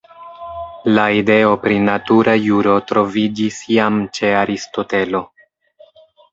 La ideo pri natura juro troviĝis jam ĉe Aristotelo.